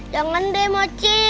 jangan deh mochi